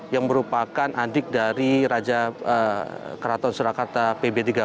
yang merupakan adik dari raja keraton surakarta pb tiga puluh